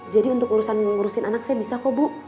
jadi untuk urusan ngurusin anak saya bisa kok bu